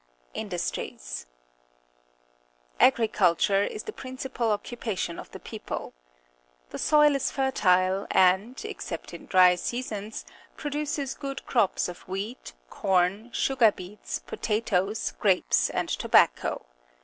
Industries. — Agriculture is the principal occupation of the people. The soil is fertile, and, except in dry seasons, produces good crops of wheat, corn, sugar beets, potatoes, grapes, and tobacco.